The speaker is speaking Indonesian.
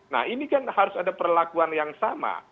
nah ini kan harus ada perlakuan yang sama